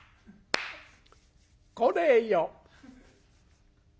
「これよ」。